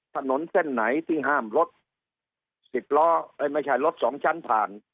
ถนนเส้นไหนที่ห้ามรถสิบล้อไม่ใช่รถสองชั้นผ่าน